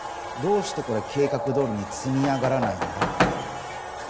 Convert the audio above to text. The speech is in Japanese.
どうしてこれ計画どおりに積み上がらないんだ？